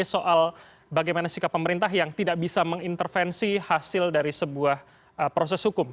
soal bagaimana sikap pemerintah yang tidak bisa mengintervensi hasil dari sebuah proses hukum